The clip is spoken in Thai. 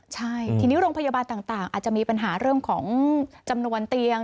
ใช่ทีนี้โรงพยาบาลต่างอาจจะมีปัญหาเรื่องของจำนวนเตียง